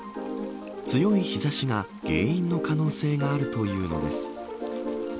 強い日差しが原因の可能性があるというのです。